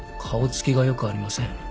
顔つきがよくありません。